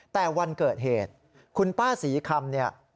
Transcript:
แต่วันเกิดเหตุคุณป้าศรีคำเนี่ย